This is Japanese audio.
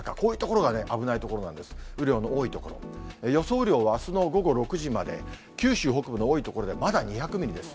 雨量はあすの午後６時まで、九州北部の多い所でまだ２００ミリです。